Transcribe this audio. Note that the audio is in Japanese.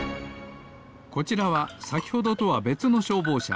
こちらはさきほどとはべつのしょうぼうしゃ。